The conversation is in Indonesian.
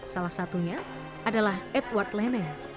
salah satunya adalah edward leneng